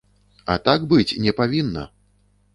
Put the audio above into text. А так быць не павінна!